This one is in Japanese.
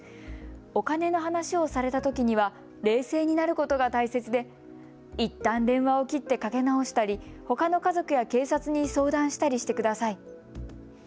お金の話をされたときには冷静になることが大切でいったん電話を切ってかけ直したり、ほかの家族や警察に相談したりしてください。